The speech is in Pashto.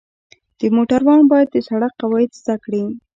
د موټروان باید د سړک قواعد زده کړي.